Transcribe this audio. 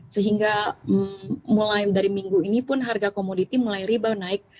sehingga mulai dari minggu ini pun harga komoditi mulai ribau naik